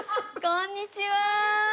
こんにちは。